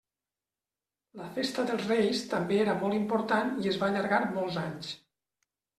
La festa dels Reis també era molt important i es va allargar molts anys.